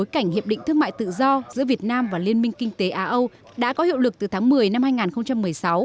cảnh hiệp định thương mại tự do giữa việt nam và liên minh kinh tế á âu đã có hiệu lực từ tháng một mươi năm hai nghìn một mươi sáu